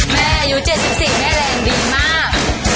แม่อยู่๗๔แม่แรงดีมาก